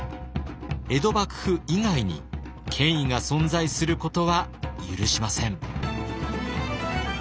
江戸幕府以外に権威が存在することは許しません。